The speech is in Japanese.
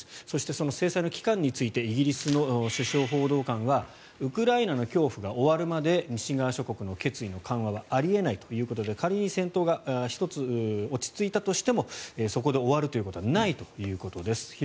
そして、その制裁の期間についてイギリスの首相報道官はウクライナの恐怖が終わるまで西側諸国の決意の緩和はあり得ないということで仮に戦闘が１つ、落ち着いたとしてもそこで終わるということはないということです。